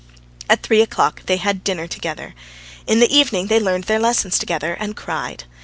At three o'clock they had dinner together: in the evening they learned their lessons together and cried.